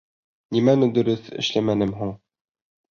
— Нимәне дөрөҫ эшләмәнем һуң?